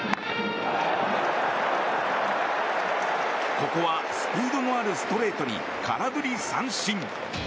ここはスピードのあるストレートに空振り三振。